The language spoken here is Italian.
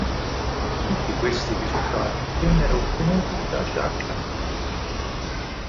Tutti questi risultati vennero ottenuti da Jacques Laffite.